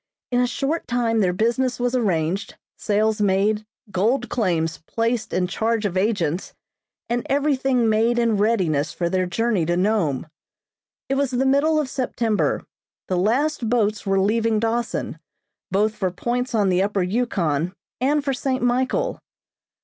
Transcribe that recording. In a short time their business was arranged, sales made, gold claims placed in charge of agents, and everything made in readiness for their journey to Nome. It was the middle of September. The last boats were leaving Dawson, both for points on the Upper Yukon and for St. Michael.